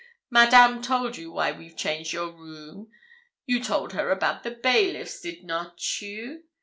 'Madame told you why we've changed your room. You told her about the bailiffs, did not you?'